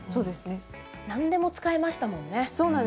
何でも使えましたものね。